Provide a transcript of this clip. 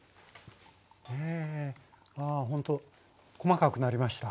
あほんと細かくなりました。